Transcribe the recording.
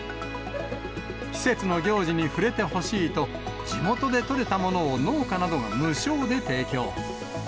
季節の行事に触れてほしいと、地元で取れたものを農家などが無償で提供。